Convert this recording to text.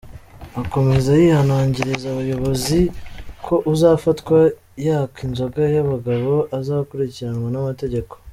Akomeza yihanangiriza abayobozi ko uzafatwa yaka “Inzoga y’abagabo” azakurikiranwa n’amategeko.